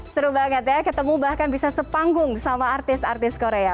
seru banget ya ketemu bahkan bisa sepanggung sama artis artis korea